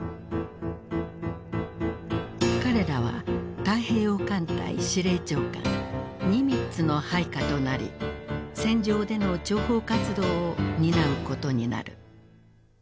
彼らは太平洋艦隊司令長官ニミッツの配下となり戦場での諜報活動を担うことになる。